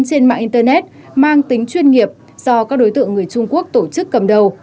trên mạng internet mang tính chuyên nghiệp do các đối tượng người trung quốc tổ chức cầm đầu